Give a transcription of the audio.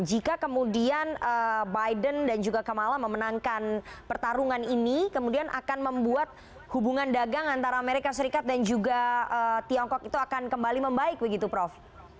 jika kemudian biden dan juga kamala memenangkan pertarungan ini kemudian akan membuat hubungan dagang antara amerika serikat dan juga tiongkok itu akan kembali membaik begitu prof